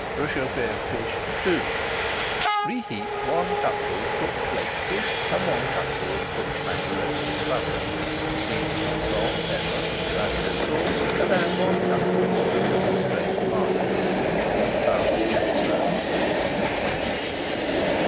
RÉCHAUFFÉ OF FISH II Reheat one cupful of cooked flaked fish and one cupful of cooked macaroni in butter. Season with salt, pepper, and tabasco sauce, and [Page 479] add one cupful of stewed and strained tomatoes. Heat thoroughly and serve.